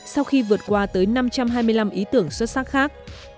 sau khi vượt qua tới năm trăm hai mươi năm ý tưởng xuất sắc khác